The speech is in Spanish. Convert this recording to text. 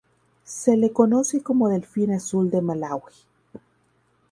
Se le conoce como delfín azul de Malawi.